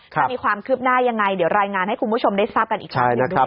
ถ้ามีความคืบหน้ายังไงเดี๋ยวรายงานให้คุณผู้ชมได้ทราบกันอีกครั้งหนึ่งด้วย